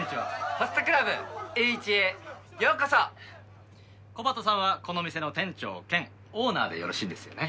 ホストクラブエーイチへようこそコバトさんはこのお店の店長兼オーナーでよろしいですよね？